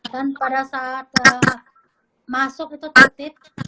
dan pada saat masuk itu tertip